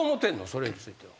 それについては。